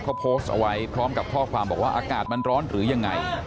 เขาโพสต์เอาไว้พร้อมกับข้อความบอกว่าอากาศมันร้อนหรือยังไง